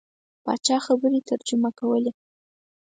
پاچا خبرې ترجمه کولې.